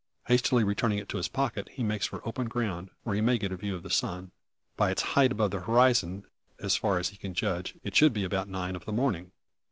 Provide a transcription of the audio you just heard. Hastily returning it to his pocket, he makes for open ground, where he may get a view of the sun. By its height above the horizon, as far as he can judge it should be about nine of the morning.